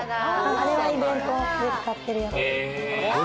あれをイベントで使っているやつです。